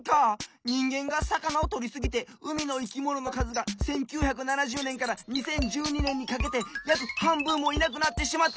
にんげんがさかなをとりすぎて海のいきもののかずが１９７０ねんから２０１２ねんにかけてやくはんぶんもいなくなってしまったって！